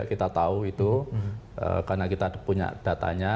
kita tahu itu karena kita punya datanya